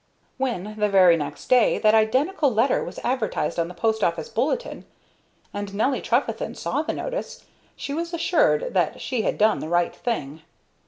When, the very next day, that identical letter was advertised on the post office bulletin, and Nelly Trefethen saw the notice, she was assured that she had done the right thing.